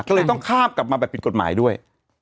ก็เลยต้องข้ามกลับมาแบบผิดกฎหมายด้วย